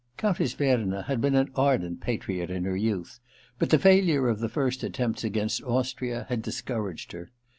Countess Verna had been an ardent patriot in her youth, but the failure of the first attempts against Austria had discouraged her.